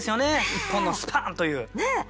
一本のスパーンという。